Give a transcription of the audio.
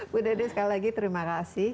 bu dede sekali lagi terima kasih